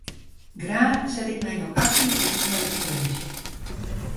Graach set ik my no aktyf yn foar de provinsje.